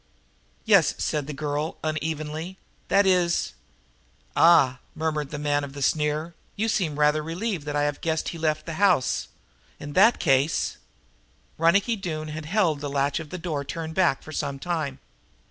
"Yes," said the girl unevenly. "That is " "Ah!" murmured the man of the sneer. "You seem rather relieved that I have guessed he left the house. In that case " Ronicky Doone had held the latch of the door turned back for some time.